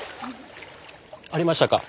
ありましたか？